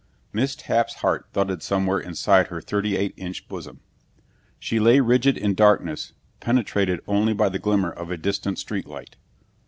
Miss Tapp's heart thudded somewhere inside her thirty eight inch bosom. She lay rigid in darkness penetrated only by the glimmer of a distant street light.